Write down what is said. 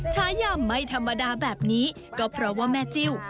ชายามไม่ธรรมดาแบบนี้ก็เพราะว่าแม่จิ้ว